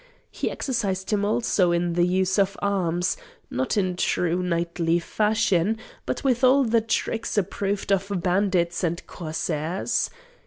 He exercised him also in the use of arms not in true knightly fashion, but with all the tricks approved of bandits and corsairs.